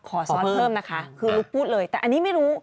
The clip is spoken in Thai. ขอซ้อนเพิ่มนะคะคือลุกพูดเลยแต่อันนี้ไม่รู้